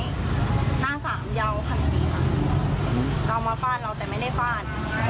หน้าสามยาวขนตีเอามาฟ่านเราแต่ไม่ได้ฟ่าน